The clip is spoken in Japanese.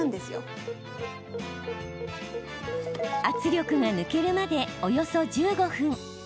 圧力が抜けるまでおよそ１５分。